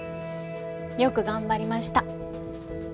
よく頑張りました。